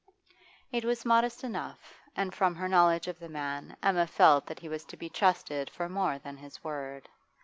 It was modest enough, and from her knowledge of the man Emma felt that he was to be trusted for more than his word.